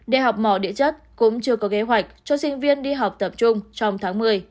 đại học mỏ địa chất cũng chưa có kế hoạch cho sinh viên đi học tập trung trong tháng một mươi